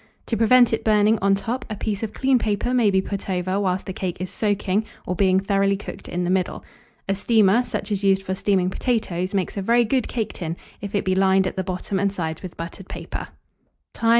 To prevent its burning at the top, a piece of clean paper may be put over whilst the cake is soaking, or being thoroughly cooked in the middle. A steamer, such as is used for steaming potatoes, makes a very good cake tin, if it be lined at the bottom and sides with buttered paper. Time.